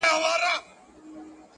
خو زړې کيسې ژوندۍ پاتې دي،